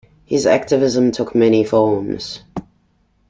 His activism took many forms.